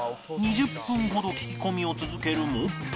２０分ほど聞き込みを続けるも